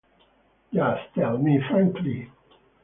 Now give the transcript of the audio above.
Just tell me frankly.